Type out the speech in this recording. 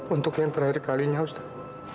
untuk yang terakhir kalinya ustadz